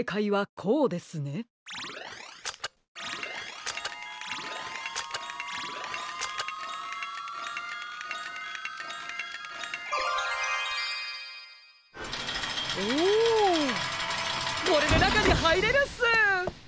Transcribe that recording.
これでなかにはいれるっす！